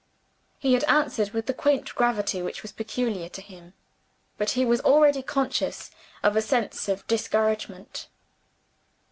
He had answered with the quaint gravity which was peculiar to him; but he was already conscious of a sense of discouragement.